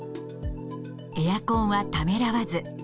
エアコンはためらわず。